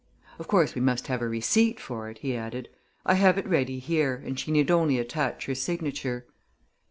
"Of course we must have a receipt for it," he added. "I have it ready here, and she need only attach her signature."